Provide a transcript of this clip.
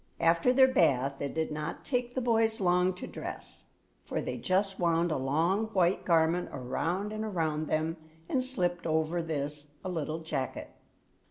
After their bath it did not take the boys long to dress, for they just wound a long white garment around and around them, and slipped over this a little jacket.